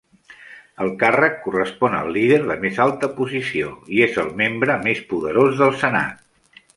El càrrec correspon al líder de més alta posició i és el membre més poderós del Senat.